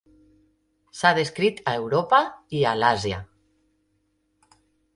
S'ha descrit a Europa i a l'Àsia.